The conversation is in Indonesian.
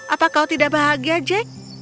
apa kau tidak bahagia jack